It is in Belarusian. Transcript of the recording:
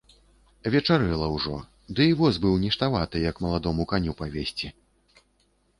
Вечарэла ўжо, ды й воз быў ніштаваты, як маладому каню павезці.